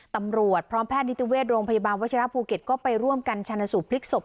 ตำรวจพร้อมแพทย์นิติเวชโรงพยาบาลวัชิระภูเก็ตก็ไปร่วมกันชนะสูตรพลิกศพ